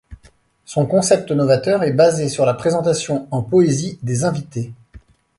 Son concept novateur est basé sur la présentation en poésie des invités.